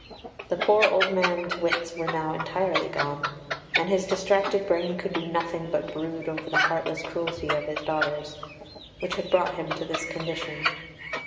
The poor old man's wits were now entirely gone, and his distracted brain could do nothing but brood over the heartless cruelty of his daughters, which had brought him to this condition.